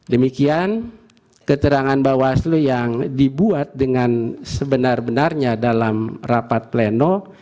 demikian keterangan bawaslu yang dibuat dengan sebenar benarnya dalam rapat pleno